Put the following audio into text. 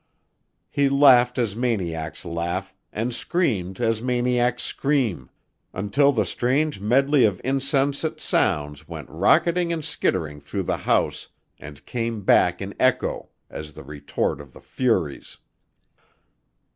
He laughed as maniacs laugh and screamed as maniacs scream, until the strange medley of insensate sounds went rocketing and skittering through the house and came back in echo, as the retort of the furies.